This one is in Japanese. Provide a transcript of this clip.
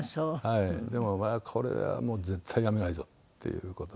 でもこれは絶対辞めないぞっていう事を。